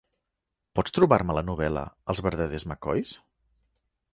Pots trobar-me la novel·la "Els verdaders McCoys"?